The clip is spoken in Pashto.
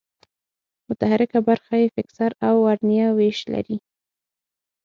متحرکه برخه یې فکسر او ورنیه وېش لري.